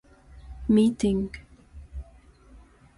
The federation is currently based in Dwarka, Delhi.